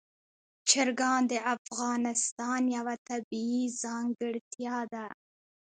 چرګان د افغانستان یوه طبیعي ځانګړتیا ده.